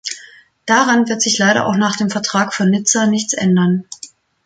Daran wird sich leider auch nach dem Vertrag von Nizza nichts ändern.